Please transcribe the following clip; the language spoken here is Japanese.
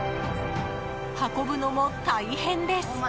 運ぶのも大変です。